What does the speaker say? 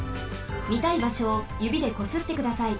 みたいばしょをゆびでこすってください。